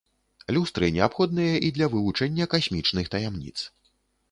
Люстры неабходныя і для вывучэння касмічных таямніц.